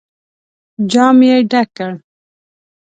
جام يې ډک کړ.